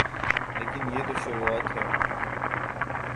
لیکن یہ تو شروعات ہے۔